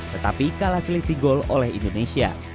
tetapi kalah selisih gol oleh indonesia